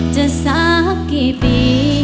สักกี่ปี